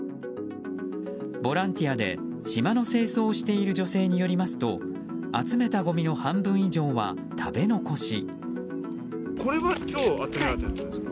ボランティアで島の清掃をしている女性によりますと集めたごみの半分以上は食べ残し。